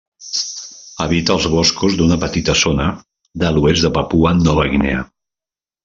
Habita els boscos d'una petita zona de l'oest de Papua-Nova Guinea.